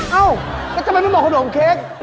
เอ้าแล้วทำไมไม่บอกขนมเค้ก